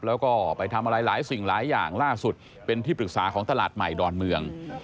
แล้วก็ไปทำอะไรหลายสิ่งหลายอย่างล่าสุดเป็นที่ปรึกษาของตลาดใหม่ดอนเมือง